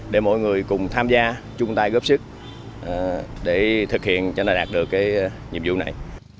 để mỗi người cùng tham gia chung tay góp sức để thực hiện cho đạt được cái nhiệm vụ này